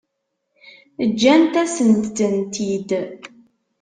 Ǧǧant-asent-tent-id?